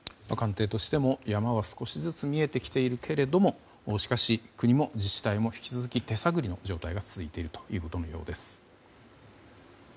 官邸としても山は少しずつ見えてきているけれどもしかし、国も自治体も引き続き手探りの状況が続いているようです。